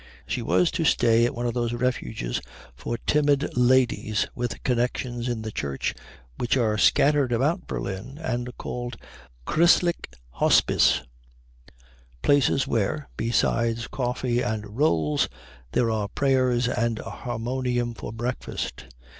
She was to stay at one of those refuges for timid ladies with connections in the Church which are scattered about Berlin and called Christliche Hospiz, places where, besides coffee and rolls, there are prayers and a harmonium for breakfast.